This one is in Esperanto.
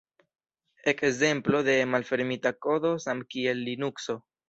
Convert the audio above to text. Ekzemplo de malfermita kodo samkiel Linukso.